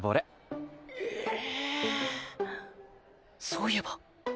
そういえば。